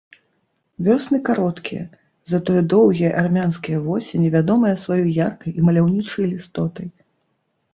Вёсны кароткія, затое доўгія армянскія восені вядомыя сваёй яркай і маляўнічай лістотай.